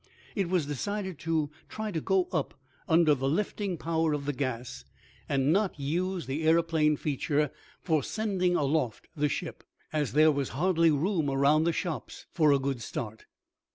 It was decided to try to go up under the lifting power of the gas, and not use the aeroplane feature for sending aloft the ship, as there was hardly room, around the shops, for a good start.